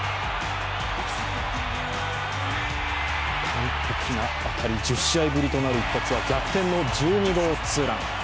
完璧な当たり、１０試合ぶりとなる当たりは逆転の１２号ツーラン。